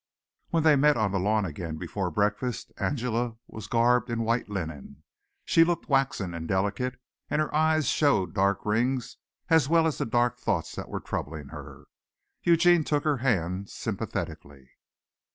When they met on the lawn again before breakfast, Angela was garbed in white linen. She looked waxen and delicate and her eyes showed dark rings as well as the dark thoughts that were troubling her. Eugene took her hand sympathetically.